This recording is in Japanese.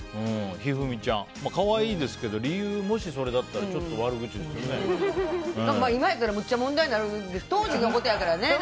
一二三ちゃん、可愛いですけど理由がもしそれだったら今やったらめっちゃ問題になるけど当時のことやからね。